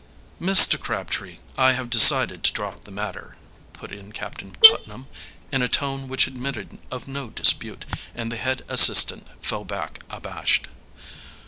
"Mr. Crabtree, I have decided to drop the matter," put in Captain Putnam, in a tone which admitted of no dispute, and the head assistant fell back abashed.